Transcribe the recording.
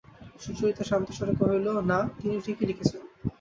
সুচরিতা শান্তস্বরে কহিল, না, তিনি ঠিকই লিখেছেন।